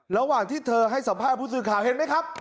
ระหว่างที่เธอให้สัมภาษณ์ผู้สื่อข่าวเห็นไหมครับ